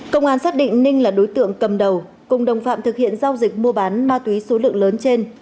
công an xác định ninh là đối tượng cầm đầu cùng đồng phạm thực hiện giao dịch mua bán ma túy số lượng lớn trên